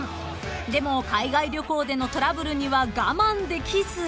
［でも海外旅行でのトラブルには我慢できず］